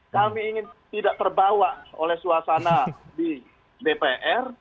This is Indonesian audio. kami ingin tidak terbawa oleh suasana di dpr